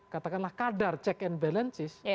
katakanlah kadar check and balances